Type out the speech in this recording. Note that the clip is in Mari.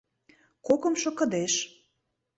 Кокымшо кыдеж